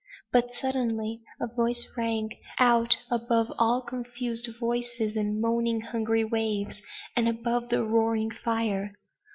But suddenly a voice rang out above all confused voices and moaning hungry waves, and above the roaring fire.